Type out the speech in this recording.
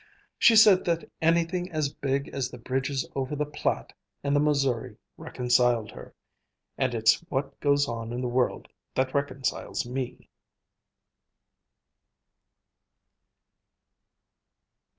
She said that anything as big as the bridges over the Platte and the Missouri reconciled her. And it's what goes on in the world that reconciles me."